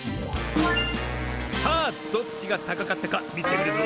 さあどっちがたかかったかみてみるぞ。